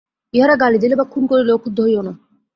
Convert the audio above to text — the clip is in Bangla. ইঁহারা গালি দিলে বা খুন করিলেও ক্রুদ্ধ হইও না।